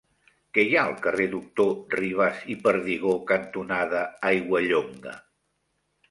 Què hi ha al carrer Doctor Ribas i Perdigó cantonada Aiguallonga?